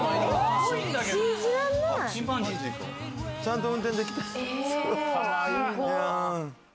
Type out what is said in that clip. ちゃんと運転できて。